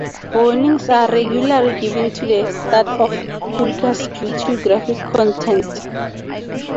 Warnings are regularly given at the start of podcasts due to the graphic content.